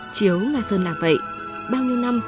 chiếu nga sơn là vậy bao nhiêu năm